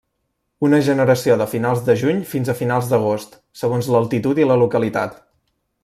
Una generació de finals de juny fins a finals d'agost, segons l'altitud i la localitat.